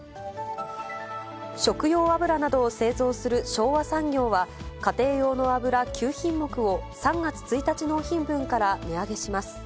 食用油などを製造する昭和産業は、家庭用の油９品目を３月１日納品分から値上げします。